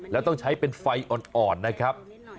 แล้วต้องใช้เป็นไฟอ่อนนะครับ